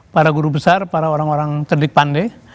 para guru besar para orang orang cerdik pandai